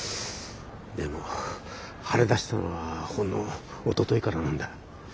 でも腫れだしたのはほんのおとといからなんだ。